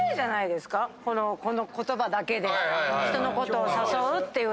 この言葉だけで人のことを誘うっていうのが。